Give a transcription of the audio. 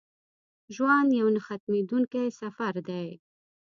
ژوند یو نه ختمېدونکی سفر دی.